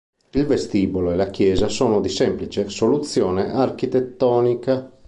Il vestibolo e la chiesa sono di semplice soluzione architettonica.